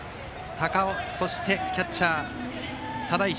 高尾そしてキャッチャー只石。